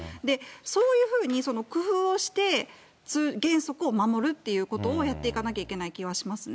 そういうふうに工夫をして、原則を守るっていうことをやっていかなきゃいけない気はしますね。